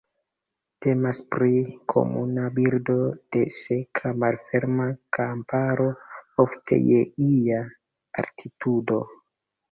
Temas pri komuna birdo de seka malferma kamparo, ofte je ia altitudo.